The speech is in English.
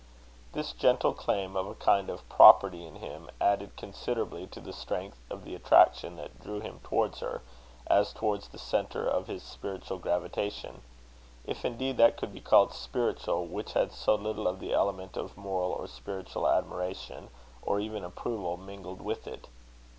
This gentle claim of a kind of property in him, added considerably to the strength of the attraction that drew him towards her, as towards the centre of his spiritual gravitation; if indeed that could be called spiritual which had so little of the element of moral or spiritual admiration, or even approval, mingled with it.